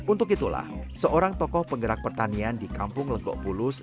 untuk itulah seorang tokoh penggerak pertanian di kampung legok pulus